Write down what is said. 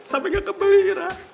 sampai gak kembali irak